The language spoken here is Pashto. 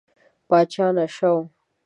پاچا نشه و.